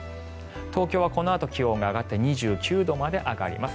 東京はこのあと気温が上がって２９度まで上がります。